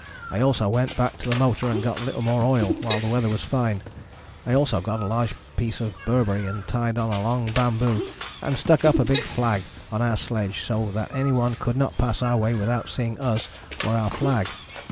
I also went back to the motor and got a little more oil while the weather was fine. I also got a large piece of burbery and tied on a long bamboo and stuck up a big flag on our sledge so that anyone could not pass our way without seeing us or our flag.